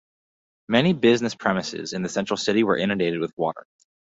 Many business premises in the central city were inundated with water.